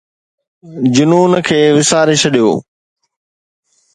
جنون کي وساري ڇڏيو